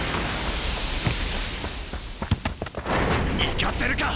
行かせるか！